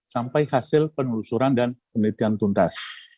sampai hasil penelusuran dan penelitian tuntas